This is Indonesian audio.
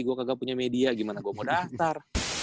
gue kagak punya media gimana gue mau daftar